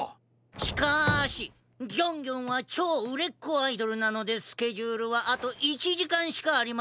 しかしギョンギョンはちょううれっこアイドルなのでスケジュールはあと１じかんしかありませんな。